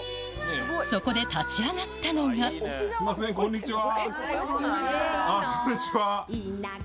そこで立ち上がったのがこんにちは。